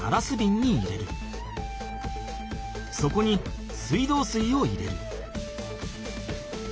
そこに水道水を入れる。